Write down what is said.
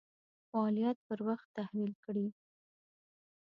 مالیات پر وخت تحویل کړي.